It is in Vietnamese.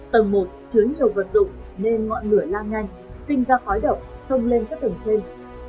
tầng một chứa nhiều vật dụng nên ngọn lửa lan nhanh sinh ra khói độc xông lên các tầng trên